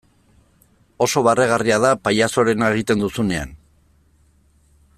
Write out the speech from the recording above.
Oso barregarria da pailazoarena egiten duzunean.